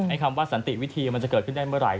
คำว่าสันติวิธีมันจะเกิดขึ้นได้เมื่อไห